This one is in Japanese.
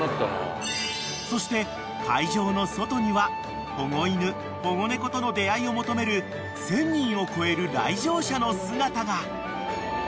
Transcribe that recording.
［そして会場の外には保護犬保護猫との出合いを求める１，０００人を超える来場者の姿が］